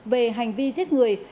về hành vi giết người